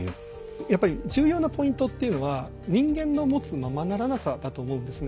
やっぱり重要なポイントっていうのは人間の持つ「ままならなさ」だと思うんですね。